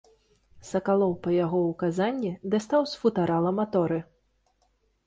Сакалоў па яго ўказанні дастаў з футарала маторы.